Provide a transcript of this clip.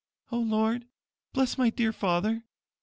"O Lord, bless my dear father.